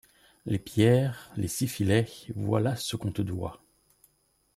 Les pierres, les sifilets, voilà ce qu'on te doit.